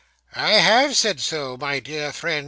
'I have said so, my dear friend.